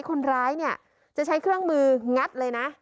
คนร้ายเนี่ยจะใช้เครื่องมืองัดเลยนะ